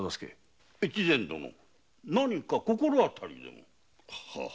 越前殿何か心当たりでも？